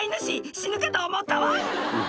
死ぬかと思ったワン！」